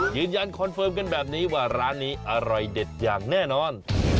ยืนยันคอนเฟิร์มกันแบบนี้ว่าร้านนี้อร่อยเด็ดอย่างแน่นอน